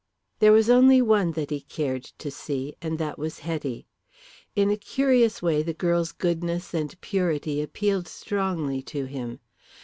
There was only one that he cared to see, and that was Hetty. In a curious way the girl's goodness and purity appealed strongly to him.